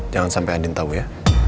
jangan sampai andien tahu ya